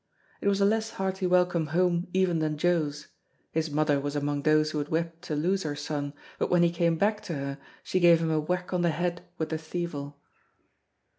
It was a less hearty welcome home even than Joe's; his mother was among those who had wept to lose her son, but when he came back to her she gave him a whack on the head with the thieval.